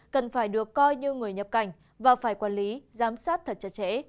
cần phải được coi như người nhập cảnh và phải quản lý giám sát thật chặt chẽ